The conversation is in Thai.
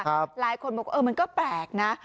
หลายคนบอกว่าเออมันก็แปลกนะ